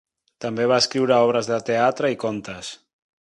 També va escriure obres de teatre i contes.